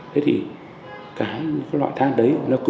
thế thì cái loại thang đấy nó cứ